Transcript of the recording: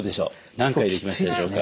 何回できたでしょうか？